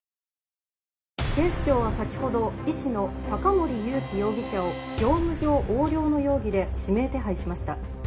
警視庁は先ほど医師の高森勇気容疑者を業務上横領の容疑で指名手配しました。